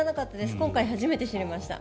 今回、初めて知りました。